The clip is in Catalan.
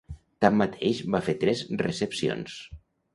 Tanmateix, va fer tres recepcions.